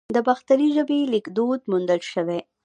د باختري ژبې لیکدود موندل شوی